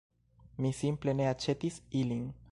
Mi simple ne aĉetis ilin